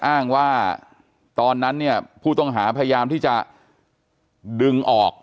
อ้างว่าตอนนั้นเนี่ยผู้ต้องหาพยายามที่จะดึงออก